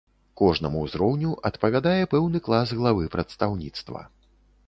Кожнаму ўзроўню адпавядае пэўны клас главы прадстаўніцтва.